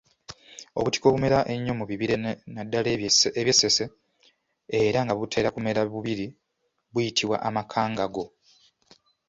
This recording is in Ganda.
Obutiko obumera ennyo mu bibira naddala eby’e Ssese era nga butera kumera bubiri buyitibwa amakangango.